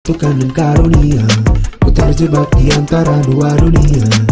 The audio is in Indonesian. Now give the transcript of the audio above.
tukang dan karunia ku terjebak di antara dua dunia